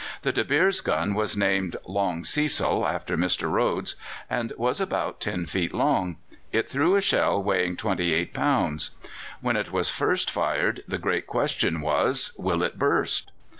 The De Beers gun was named "Long Cecil," after Mr. Rhodes, and was about 10 feet long; it threw a shell weighing 28 pounds. When it was first fired, the great question was, "Will it burst?"